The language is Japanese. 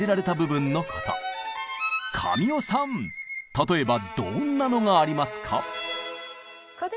例えばどんなのがありますか？